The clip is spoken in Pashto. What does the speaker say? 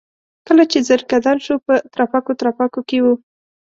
کله چې ځنکدن شو په ترپکو ترپکو کې و.